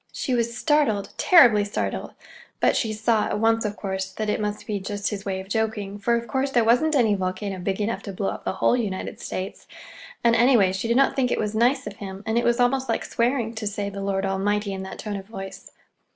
She was startled, terribly startled; but she saw at once, of course, that it must be just his way of joking, for of course there wasn't any volcano big enough to blow up the whole United States; and, anyway, she did not think it was nice of him, and it was almost like swearing, to say "the Lord Almighty" in that tone of voice.